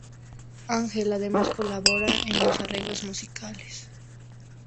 Ángel además colabora en los arreglos musicales.